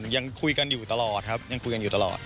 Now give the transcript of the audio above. ยังคุยกันอยู่ตลอดครับยังคุยกันอยู่ตลอด